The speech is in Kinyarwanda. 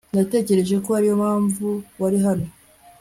natekereje ko ariyo mpamvu wari hano